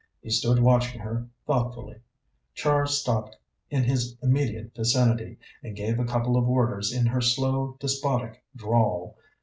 He stood watching her thoughtfully. Char stopped in his immediate vicinity, and gave a couple of orders in her slow, despotic drawl.